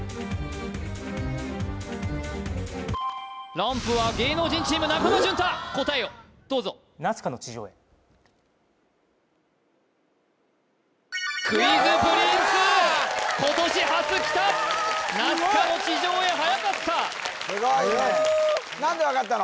ランプは芸能人チーム中間淳太答えをどうぞクイズプリンス今年初きたナスカの地上絵はやかったすごいね何で分かったの？